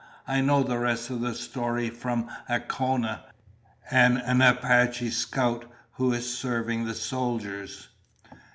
I know the rest of the story from Acona, an Apache scout who is serving the soldiers."